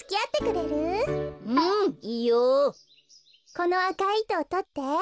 このあかいいとをとって。